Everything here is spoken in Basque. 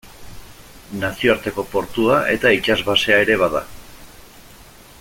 Nazioarteko portua eta itsas basea ere bada.